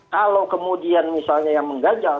kalau kemudian misalnya yang menggajal